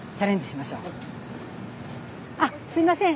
あっすいません。